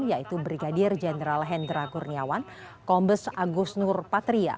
yaitu brigadir jenderal hendra kurniawan kombes agus nur patria